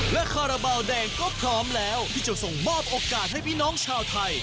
และคาราบาลแดงก็พร้อมแล้วที่จะส่งมอบโอกาสให้พี่น้องชาวไทย